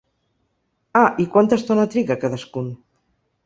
Ah i quanta estona triga cadascun?